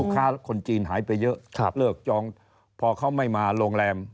ค้าคนจีนหายไปเยอะเลิกจองพอเขาไม่มาโรงแรม